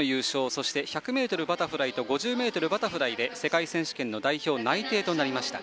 そして１００ｍバタフライと５０ｍバタフライで世界選手権の代表内定となりました。